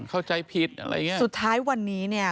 เข้าใจผิดอะไรอย่างเงี่ย